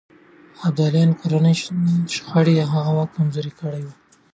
د ابدالیانو کورنۍ شخړې د هغوی واک کمزوری کړی و.